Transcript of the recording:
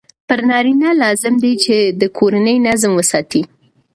پر نارینه لازم دی چې د کورني نظم وساتي.